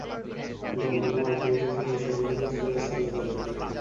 যে আমাকে মারতে এসেছিলো, সে আমাকে তুচ্ছতাচ্ছিল্য করে গেলো!